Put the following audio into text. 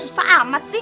sama dia susah amat sih